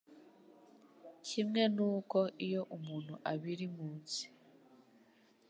kimwe n'uko iyo umuntu abiri munsi